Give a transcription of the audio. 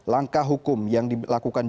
langkah hukum yang dilakukan